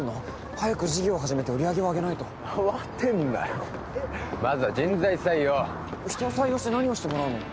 早く事業を始めて売上をあげないと慌てんなよまずは人材採用人を採用して何をしてもらうの？